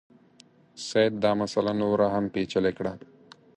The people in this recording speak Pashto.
سید دا مسله نوره هم پېچلې کړه.